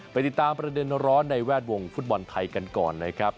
ติดตามประเด็นร้อนในแวดวงฟุตบอลไทยกันก่อนนะครับ